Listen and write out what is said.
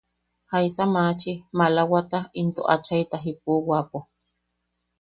¿Jaisa machi maalawata into achaita jipuwapo?